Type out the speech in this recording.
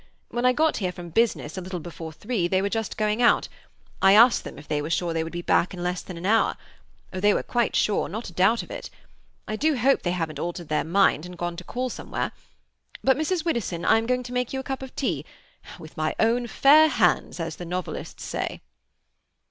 When I got here from business, a little before three, they were just going out. I asked them if they were sure they would be back in less than an hour. Oh, they were quite sure—not a doubt about it. I do hope they haven't altered their mind, and gone to call somewhere. But, Mrs. Widdowson, I am going to make you a cup of tea—with my own fair hands, as the novelists say."